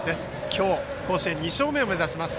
今日、甲子園２勝目を目指します。